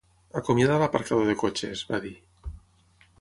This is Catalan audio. "Acomiada l'aparcador de cotxes", va dir.